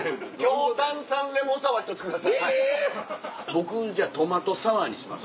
僕じゃトマトサワーにします。